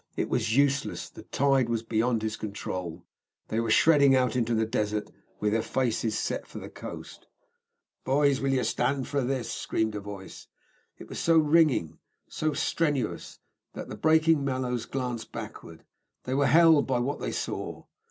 It was useless; the tide was beyond his control. They were shredding out into the desert with their faces set for the coast. "Bhoys, will ye stand for this?" screamed a voice. It was so ringing, so strenuous, that the breaking Mallows glanced backwards. They were held by what they saw.